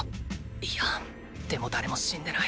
いやでも誰も死んでない。